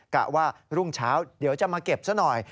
กะว่ารุ่งเช้าเดี๋ยวจะมาเก็บซะหน่อย